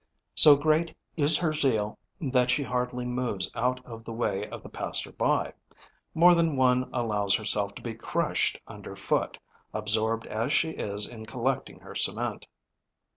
So great is her zeal that she hardly moves out of the way of the passer by; more than one allows herself to be crushed underfoot, absorbed as she is in collecting her cement.